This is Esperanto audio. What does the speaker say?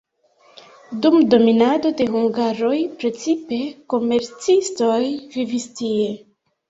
Dum dominado de hungaroj precipe komercistoj vivis tie.